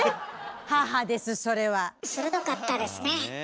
母ですそれは。鋭かったですね。